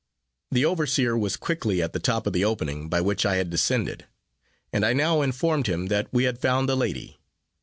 The overseer was quickly at the top of the opening, by which I had descended; and I now informed him that we had found the lady.